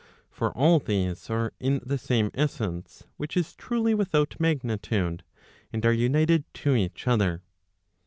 For all these are in the same essence, which is truly without magnitude,* and are united to each other.